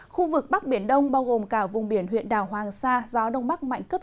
khu vực bắc biển đông bao gồm cả vùng biển huyện đảo hoàng sa gió đông bắc mạnh cấp sáu